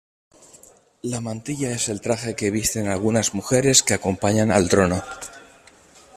La mantilla es el traje que visten algunas mujeres que acompañan al trono.